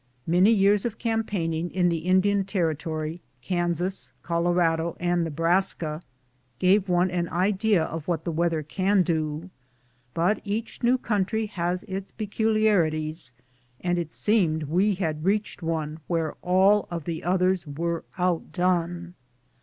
Many years of campaigning in the Indian Territory, Kansas, Colorado, and IS^ebraska, give one an idea of what the weather can do ; but each new coun try has its peculiarities, and it seemed we had reached one where all the others were outdone.